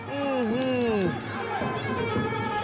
อืม